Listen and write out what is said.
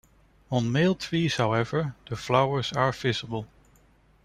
On male trees, however, the flowers are visible.